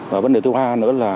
và vấn đề thứ ba nữa là